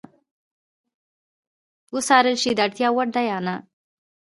وڅارل شي چې د اړتیا وړ ده یا نه.